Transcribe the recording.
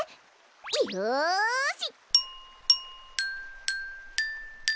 よし！